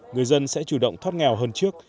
người dân sẽ chủ động thoát nghèo hơn trước